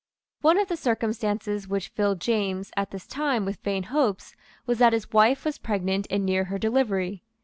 One of the circumstances which filled James, at this time, with vain hopes, was that his wife was pregnant and near her delivery.